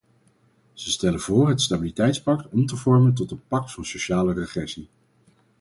Ze stellen voor het stabiliteitspact om te vormen tot een pact van sociale regressie.